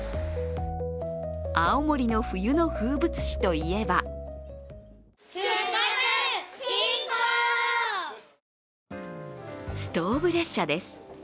青森の冬の風物詩といえばストーブ列車です。